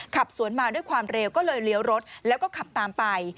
ขับสวนมาด้วยความเร็วก็เลยเลี้ยวรถแล้วก็ขับตามไป